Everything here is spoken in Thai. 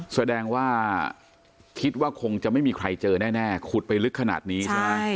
แสดงว่าคิดว่าคงจะไม่มีใครเจอแน่ขุดไปลึกขนาดนี้ใช่ไหม